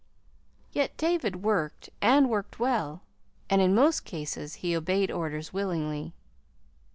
Yet David worked, and worked well, and in most cases he obeyed orders willingly.